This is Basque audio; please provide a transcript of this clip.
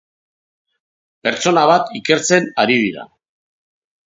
Pertsona bat ikertzen ari dira.